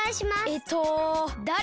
えっとだれ？